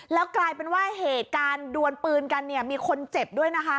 แล้วกลายเป็นว่าเหตุการณ์ดวนปืนกันเนี่ยมีคนเจ็บด้วยนะคะ